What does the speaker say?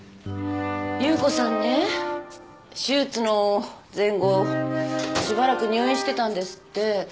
夕子さんね手術の前後しばらく入院してたんですって。